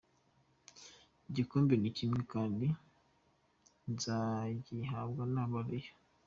Igikombe ni kimwe kandi nzagihabwa n'abarayons.